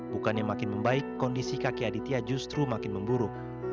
bukannya makin membaik kondisi kaki aditya justru makin memburuk